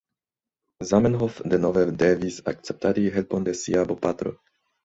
Zamenhof denove devis akceptadi helpon de sia bopatro.